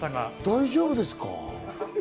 大丈夫ですか？